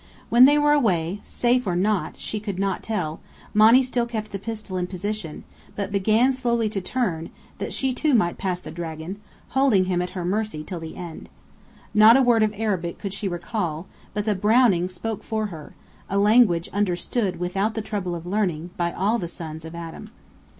When they were away safe or not, she could not tell Monny still kept the pistol in position, but began slowly to turn, that she too might pass the dragon, holding him at her mercy till the end. Not a word of Arabic could she recall, but the Browning spoke for her, a language understood without the trouble of learning, by all the sons of Adam.